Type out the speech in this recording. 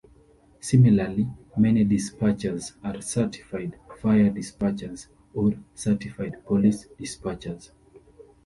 Similarly, many dispatchers are Certified Fire Dispatchers or Certified Police Dispatchers.